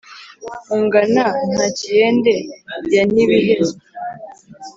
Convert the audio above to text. Ungana Ntakiyende ya Ntibihezwa